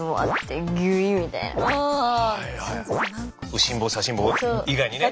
右心房左心房以外にね。